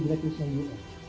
kepala pengusaha kepala pengusaha